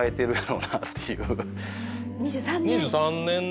２３年。